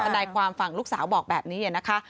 นายความฝั่งลูกสาวบอกแบบนี้นะคะ